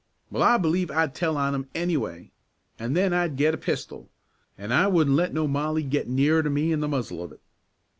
"Well, I b'lieve I'd tell on him, anyway; an' then I'd get a pistol, an' I wouldn't let no Molly get nearer to me'n the muzzle of it."